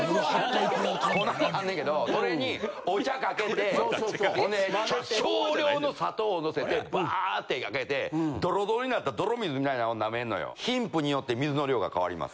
粉があんねんけどそれにお茶かけてほんで少量の砂糖をのせてバってかけてドロドロになった泥水みたいなのをなめんのよ。